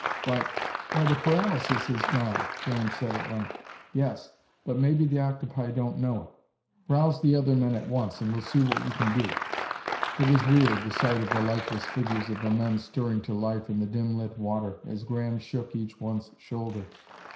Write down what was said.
"Why why; the paralysis is gone!" Graham said at length. "Yes, but maybe the octopi don't know it. Rouse the other men at once, and we'll see what we can do." It was weird, the sight of the lifeless figures of the men stirring to life in the dim lit water as Graham shook each one's shoulder.